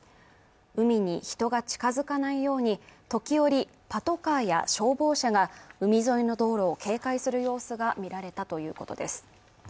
海に人が近づかないように、時折、パトカーや消防車が海沿いの道路を警戒する様子が見られたということです。